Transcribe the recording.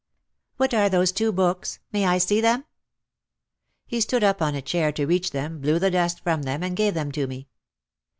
"What are those two books? May I see them?" He stood up on a chair to reach them, blew the dust from them and gave them to me.